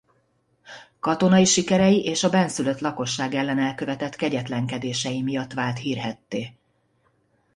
Katonai sikerei és a bennszülött lakosság ellen elkövetett kegyetlenkedései miatt vált hírhedtté.